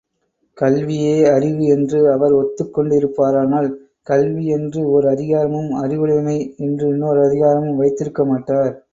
கல்வியே அறிவு என்று அவர் ஒத்துக்கொண்டிருப்பாரானால், கல்வி என்று ஒர் அதிகாரமும் அறிவுடைமை என்று இன்னோரதிகாரமும் வைத்திருக்கமாட்டார்.